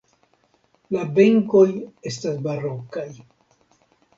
La benkoj estas barokaj.